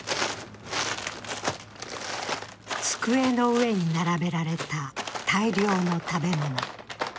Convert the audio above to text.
机の上に並べられた大量の食べ物。